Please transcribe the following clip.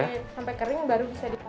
sampai kering baru bisa dipanen